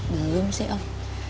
belum sih om